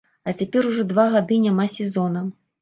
А цяпер ужо два гады няма сезона.